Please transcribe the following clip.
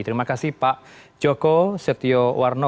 terima kasih pak joko setiowarno